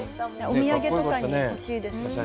お土産とかに欲しいですね。